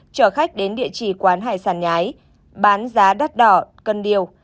chở khách đến địa chỉ quán hải sản nhái bán giá đắt đỏ cân điều